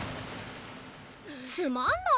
つまんない。